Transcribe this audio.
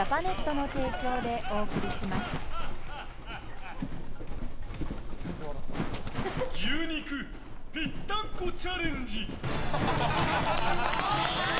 ぷはーっ牛肉ぴったんこチャレンジ！